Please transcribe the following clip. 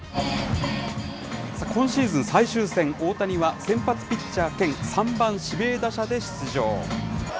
今シーズン最終戦、大谷は先発ピッチャー兼３番指名打者で出場。